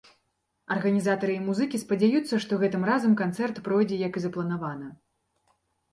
Арганізатары і музыкі спадзяюцца, што гэтым разам канцэрт пройдзе, як і запланавана.